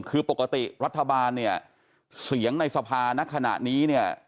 คือปกติรัฐบาลเนี่ยเสียงในสภาณขณะนี้เนี่ย